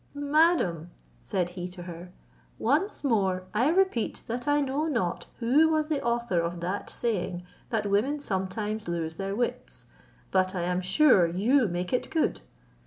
"Madam," said he to her, "once more I repeat that I know not who was the author of that saying, that 'Women sometimes lose their wits,' but I am sure you make it good.